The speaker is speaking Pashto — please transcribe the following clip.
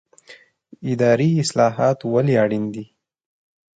اداري اصلاحات ولې اړین دي؟